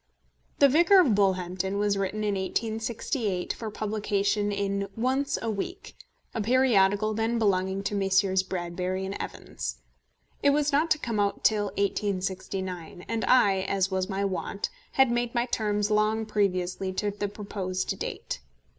The Vicar of Bullhampton was written in 1868 for publication in Once a Week, a periodical then belonging to Messrs. Bradbury & Evans. It was not to come out till 1869, and I, as was my wont, had made my terms long previously to the proposed date.